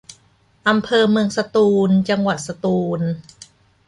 อำเภอเมืองสตูล จังหวัดสตูล